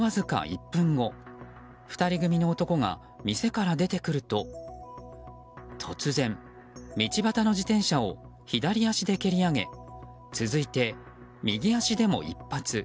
そのわずか１分後２人組の男が店から出てくると突然、道端の自転車を左足で蹴り上げ続いて右足でも一発。